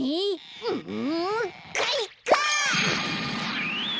んかいか！